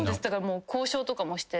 交渉とかもして。